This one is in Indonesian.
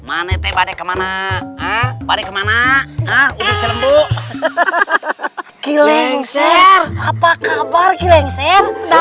atau pekeman kemana bareng cire